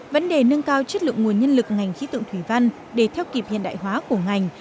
vấn đề nâng cao chất lượng nguồn nhân lực ngành khí tượng thủy văn để theo kịp hiện đại hóa của ngành